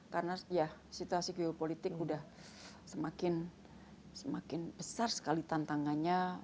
karena ya situasi geopolitik udah semakin semakin besar sekali tantangannya